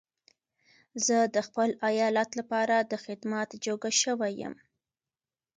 زه د خپل ايالت لپاره د خدمت جوګه شوی يم.